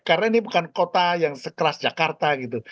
karena ini bukan kota yang sekelas jakarta gitu